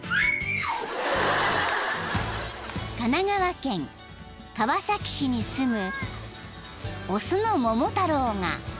［神奈川県川崎市に住む雄の桃太郎が］